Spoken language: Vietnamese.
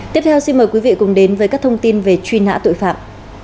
tiếp theo xin mời quý vị cùng đến với các thông tin về truy nã tội phạm